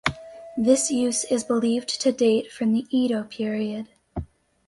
This use is believed to date from the Edo period.